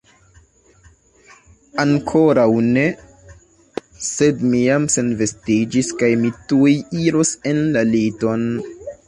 Ankoraŭ ne, sed mi jam senvestiĝis kaj mi tuj iros en la liton.